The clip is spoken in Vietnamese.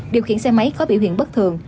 điều khiển xe máy có biểu hiện bất thường